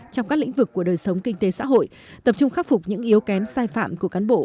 trong các lĩnh vực của đời sống kinh tế xã hội tập trung khắc phục những yếu kém sai phạm của cán bộ